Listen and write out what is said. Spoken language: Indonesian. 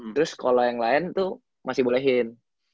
terus kalau yang lain tuh masih bolehin